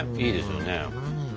いいですよね。